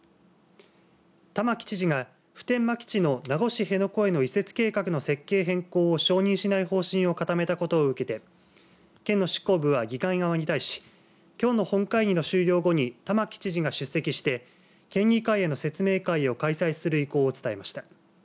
玉城知事が普天間基地の名護市辺野古への移設計画の設計変更を承認しない方針を固めたことを受けて県の執行部は議会側に対しきょうの本会議の終了後に玉城知事が出席して県議会への説明会を開催する意向を伝えました。